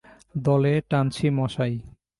দলে টানছি মশায়!